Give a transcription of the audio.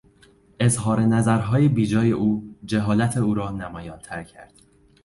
اظهار نظرهای بیجای او جهالت او را نمایانتر کرد.